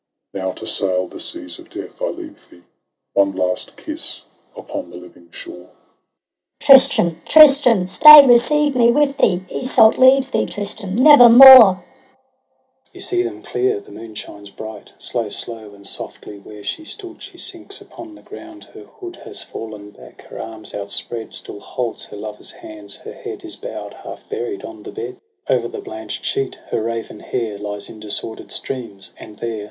Now to sail the seas of death I leave thee — One last kiss upon the living shore! 214 TRISTRAM AND ISEULT. Iseult. Tristram !— Tristram !— stay — receive me with thee ! Iseult leaves thee, Tristram! never more. * s(s 5i« * You see them clear — the moon shines bright. Slow, slow and softly, where she stood. She sinks upon the ground; — her hood Had fallen back, her arms outspread Still holds her lover's hands ; her head Is bow'd, half buried, on the bed. O'er the blanch'd sheet her raven hair Lies in disorder'd streams; and there.